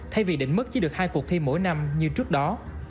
thay vì định mức chỉ được hai cuộc thi mỗi năm như trước đó